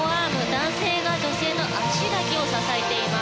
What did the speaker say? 男性が女性の足だけを支えています。